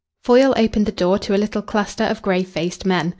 Foyle opened the door to a little cluster of grave faced men.